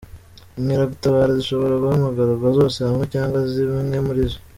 Inkeragutabara zishobora guhamagarwa zose hamwe cyangwa zimwe muri zo.